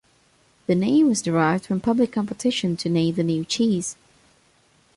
The name was derived from public competition to name the new cheese.